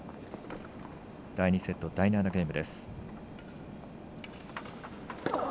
第２セット第７ゲーム。